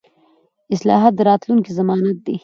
اصلاحات د راتلونکي ضمانت دي